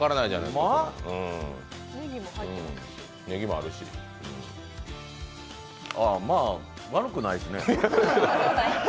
ああ、まあ悪くないですね。